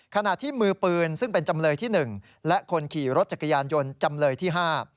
ขณะที่มือปืนซึ่งเป็นจำเลยที่หนึ่งและคนขี่รถจักรยานยนต์จำเลยที่ห้า